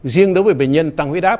riêng đối với bệnh nhân tăng huyết áp